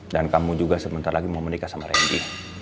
dan kamu juga sebentar lagi mau menikah sama randy